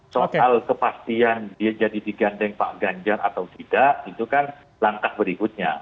soal kepastian dia jadi digandeng pak ganjar atau tidak itu kan langkah berikutnya